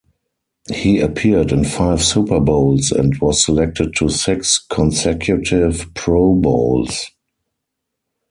He appeared in five Super Bowls and was selected to six consecutive Pro Bowls.